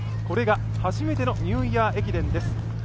これが初めてのニューイヤー駅伝です。